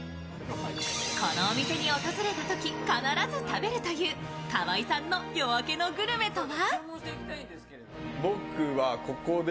このお店に訪れたとき必ず食べるという河合さんの夜明けのグルメとは？